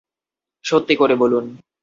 সত্যি করে বলুন।